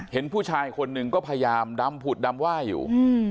เห็นผู้ชายคนหนึ่งก็พยายามดำผุดดำไหว้อยู่